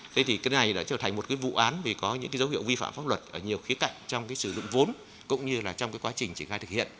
thế thì cái này đã trở thành một cái vụ án vì có những cái dấu hiệu vi phạm pháp luật ở nhiều khía cạnh trong cái sử dụng vốn cũng như là trong cái quá trình triển khai thực hiện